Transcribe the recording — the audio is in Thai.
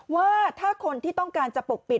ว่าถ้าคนที่ต้องการจะปกปิด